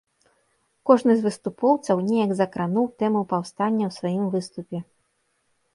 Кожны з выступоўцаў неяк закрануў тэму паўстання ў сваім выступе.